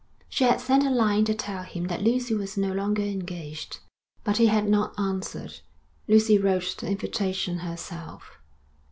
She had sent a line to tell him that Lucy was no longer engaged, but he had not answered. Lucy wrote the invitation herself.